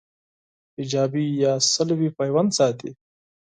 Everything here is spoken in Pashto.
ایجابي یا سلبي پیوند ساتي